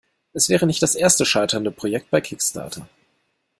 Es wäre nicht das erste scheiternde Projekt bei Kickstarter.